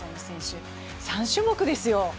３種目ですよ